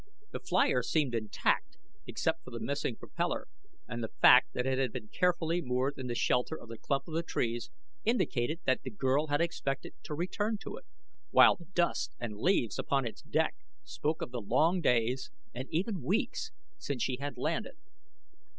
The flier seemed intact except for the missing propellor and the fact that it had been carefully moored in the shelter of the clump of trees indicated that the girl had expected to return to it, while the dust and leaves upon its deck spoke of the long days, and even weeks, since she had landed.